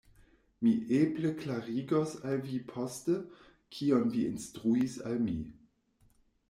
Mi eble klarigos al vi poste, kion vi instruis al mi.